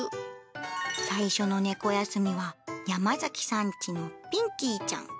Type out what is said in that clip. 最初の猫休みは、山崎さんちのピンキーちゃん。